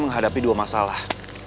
menghadapi dua masalah